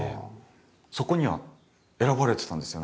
そこには選ばれてたんですよ